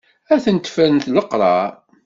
Ad ten-ffren d leqrar.